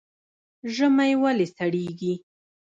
ژمی ولې سړیږي؟